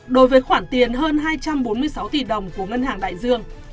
đối với khoản tiền hơn hai trăm bốn mươi sáu tỷ đồng của ngân hàng đại dương